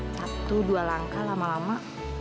satu dua langkah lama lama